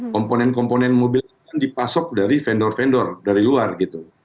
komponen komponen mobil itu kan dipasok dari vendor vendor dari luar gitu